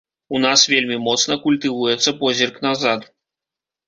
У нас вельмі моцна культывуецца позірк назад.